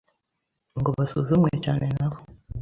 ngo basuzumwe cyane nabo